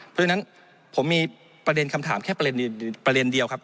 เพราะฉะนั้นผมมีประเด็นคำถามแค่ประเด็นเดียวครับ